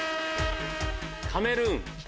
カメルーン。